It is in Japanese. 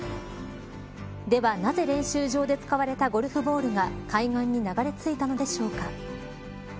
では、なぜ練習場で使われたゴルフボールが海岸に流れ着いたのでしょうか。